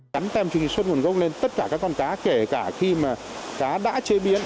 gắn tem truy xuất nguồn gốc lên tất cả các con cá kể cả khi mà cá đã chế biến